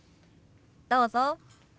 どうぞ。